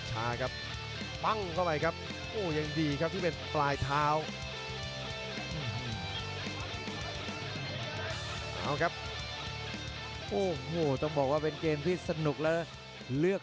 แชลเฟียร์ชาเลนจ์